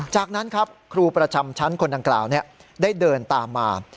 จากนั้นครับครูประจำชั้นคนดังกล่าวได้เดินตามมา